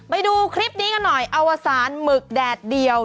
ไปดูคลิปนี้กันหน่อยอวสารหมึกแดดเดียว